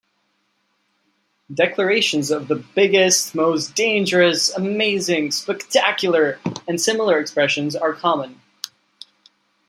Declarations of the "biggest," "most dangerous," "amazing," "spectacular," and similar expressions are common.